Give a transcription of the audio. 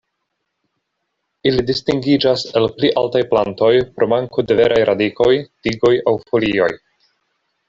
Ili distingiĝas el pli altaj plantoj pro manko de veraj radikoj, tigoj aŭ folioj.